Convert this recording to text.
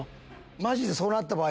マジでそうなった場合。